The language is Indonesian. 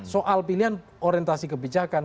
soal pilihan orientasi kebijakan